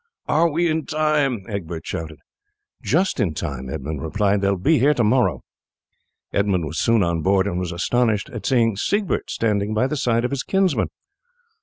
"Are we in time?" Egbert shouted. "Just in time," Edmund replied. "They will be here to morrow." Edmund was soon on board, and was astonished at seeing Siegbert standing by the side of his kinsman.